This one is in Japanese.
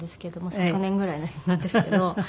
昨年ぐらいなんですけど。